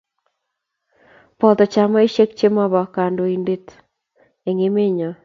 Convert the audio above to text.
boto chamaisiek che mabo kandoinot eng' emenyo